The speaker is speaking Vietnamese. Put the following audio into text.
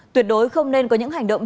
tuyệt đối không nên có những hành động